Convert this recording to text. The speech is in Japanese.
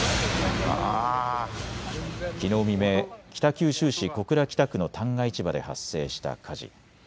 きのう未明、北九州市小倉北区の旦過市場で発生した火事。